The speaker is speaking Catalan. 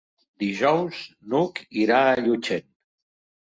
Dijous n'Hug irà a Llutxent.